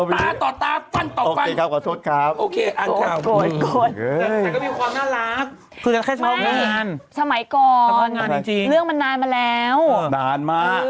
ไม่สมัยก่อนเลือกมันนานมาแล้วนานมา